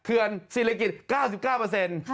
เคือนศิลปิศาสตร์๙๙